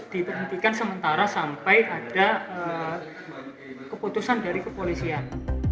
diberhentikan sementara sampai ada keputusan dari kepolisian